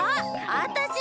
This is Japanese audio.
あたしの！